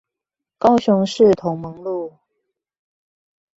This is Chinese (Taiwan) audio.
高雄市同盟路